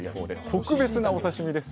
特別なお刺身です。